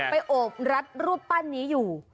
โอบรัดรูปปั้นนี้อยู่